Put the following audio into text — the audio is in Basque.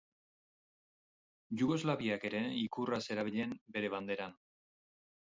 Jugoslaviak ere ikurra zerabilen bere banderan.